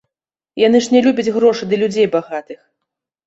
Яны ж не любяць грошы ды людзей багатых.